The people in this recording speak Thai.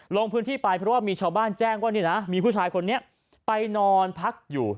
ลงพื้นที่ไปเพราะว่ามีชาวบ้านแจ้งว่านี่นะมีผู้ชายคนนี้ไปนอนพักอยู่